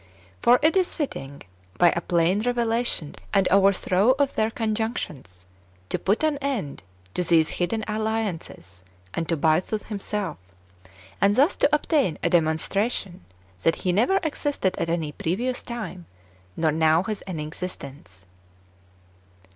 For it is fitting, by a plain revelation and overthrow of their conjunctions, to put an end to these hidden alliances,^ and to Bythus himself, and thus to obtain a demon stration that he never existed at any previous time, nor now has any existence.